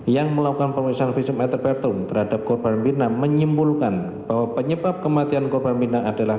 yang melakukan pembesaran visum eterpertum terhadap korban winda menyimpulkan bahwa penyebab kematian korban winda adalah